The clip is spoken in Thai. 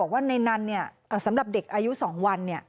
ว่าในนั้นเนี่ยสำหรับเด็กอายุสองวันเนี่ย